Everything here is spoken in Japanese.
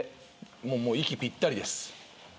もう息ぴったりです。